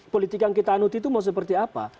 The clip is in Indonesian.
politik yang kita anut itu mau seperti apa